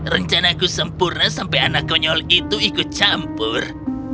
rencanaku sempurna sampai anak konyol itu ikut campur